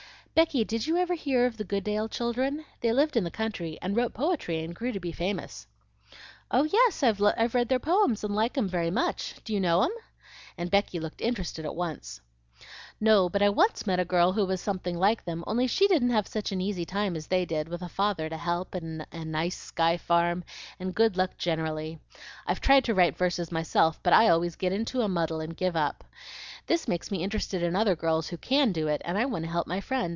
"Becky, did you ever hear of the Goodale children? They lived in the country and wrote poetry and grew to be famous." "Oh yes, I've read their poems and like 'em very much. Do you know 'em?" and Becky looked interested at once. "No, but I once met a girl who was something like them, only she didn't have such an easy time as they did, with a father to help, and a nice Sky farm, and good luck generally. I've tried to write verses myself, but I always get into a muddle, and give it up. This makes me interested in other girls who CAN do it, and I want to help my friend.